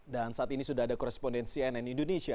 dan saat ini sudah ada korespondensi cnn indonesia